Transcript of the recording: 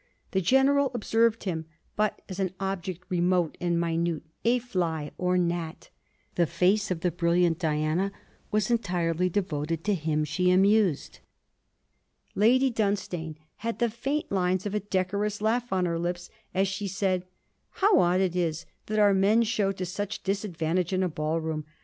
The General observed him, but as an object remote and minute, a fly or gnat. The face of the brilliant Diana was entirely devoted to him she amused. Lady Dunstane had the faint lines of a decorous laugh on her lips, as she said: 'How odd it is that our men show to such disadvantage in a Ball room.